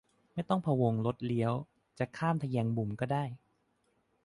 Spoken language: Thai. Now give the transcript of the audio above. ไม่ต้องพะวงรถเลี้ยว จะข้ามทแยงมุมก็ได้